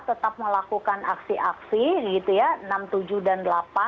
tetap melakukan aksi aksi enam tujuh dan delapan